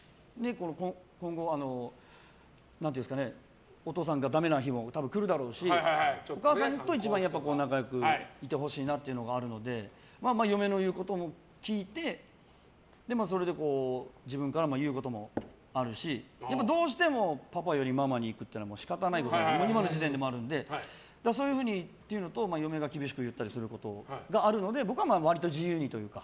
今後はお父さんがダメな日も来るだろうしお母さんと一番仲良くいてほしいなというのがあるので嫁の言うことも聞いてそれで自分から言うこともあるしどうしてもパパよりママにいくのは仕方ないことなので今の時点でもあるので。そういうふうにっていうのと嫁が厳しく言ったりすることがあるので僕は割と自由にというか。